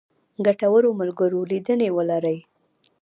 ګټورو ملګرو لیدنې ولرئ.